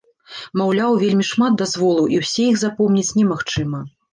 Маўляў, вельмі шмат дазволаў і ўсе іх запомніць немагчыма.